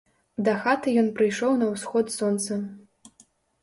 Дахаты ён прыйшоў на ўсход сонца.